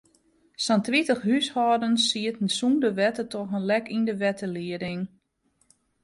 Sa'n tritich húshâldens sieten sûnder wetter troch in lek yn de wetterlieding.